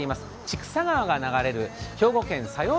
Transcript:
千種川が流れる兵庫県佐用